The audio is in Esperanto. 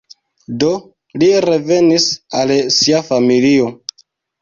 Do li revenis al sia familio.